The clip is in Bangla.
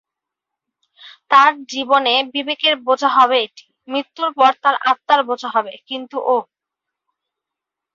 তার জীবনে বিবেকের বোঝা হবে এটি, মৃত্যুর পর তার আত্মার বোঝা হবে; কিন্তু ওহ!